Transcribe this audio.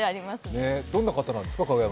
影山さん、どんな方なんですか？